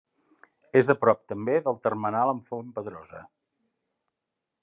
És a prop també del termenal amb Fontpedrosa.